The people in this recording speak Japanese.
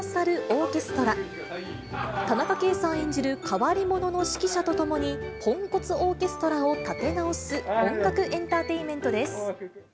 変わり者の指揮者と共に、ポンコツオーケストラを立て直す音楽エンターテインメントです。